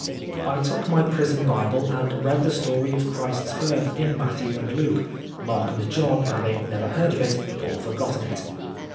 I took my prison Bible and read the story of Christ's birth in Matthew and Luke, Mark and John having never heard of it or forgotten it.